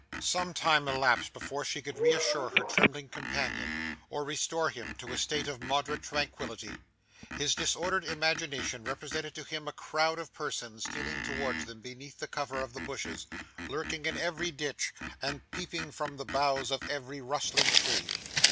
Some time elapsed before she could reassure her trembling companion, or restore him to a state of moderate tranquillity. His disordered imagination represented to him a crowd of persons stealing towards them beneath the cover of the bushes, lurking in every ditch, and peeping from the boughs of every rustling tree.